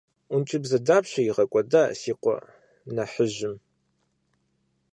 Ӏункӏыбзэ дапщэ игъэкӏуэда си къуэ нэхъыжьым?